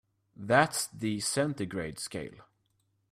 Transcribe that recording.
That's the centigrade scale.